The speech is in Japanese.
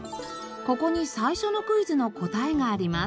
ここに最初のクイズの答えがあります。